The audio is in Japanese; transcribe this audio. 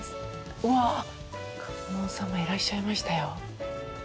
うわ、観音様いらっしゃいましたよ。